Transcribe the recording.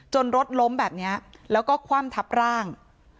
รถล้มแบบนี้แล้วก็คว่ำทับร่าง